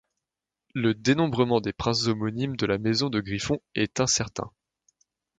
Le dénombrement des princes homonymes de la maison de Griffons est incertain.